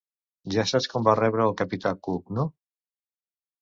Ja saps com van rebre el capità Cook, no?